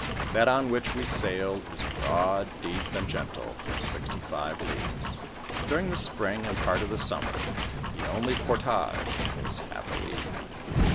That on which we sailed, is broad, deep, and gentle for sixty five leagues. During the spring and part of the summer, the only portage is half a league.